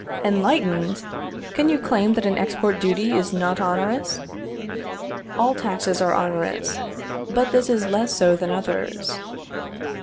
Enlightened! Can you claim that an export duty is not onerous? All taxes are onerous, but this is less so than others.